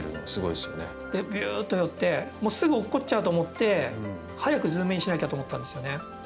で、びゅーっと寄ってもうすぐ落っこっちゃうと思って早くズームインしなきゃと思ったんですよね。